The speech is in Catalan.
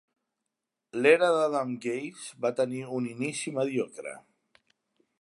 L'era d'Adam Gase va tenir un inici mediocre.